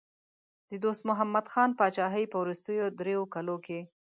د دوست محمد خان پاچاهۍ په وروستیو دریو کالو کې.